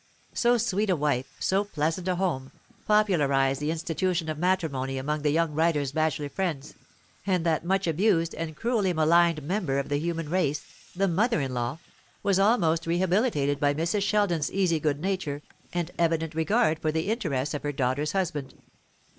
So sweet a wife, so pleasant a home, popularized the institution of matrimony among the young writer's bachelor friends; and that much abused and cruelly maligned member of the human race, the mother in law, was almost rehabilitated by Mrs. Sheldon's easy good nature and evident regard for the interests of her daughter's husband.